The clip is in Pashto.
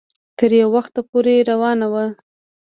تر يو وخته پورې روانه وه